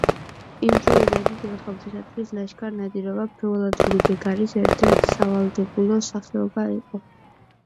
იმდროინდელი გლეხობისათვის ლაშქარ-ნადირობა ფეოდალური ბეგარის ერთ-ერთი სავალდებულო სახეობა იყო.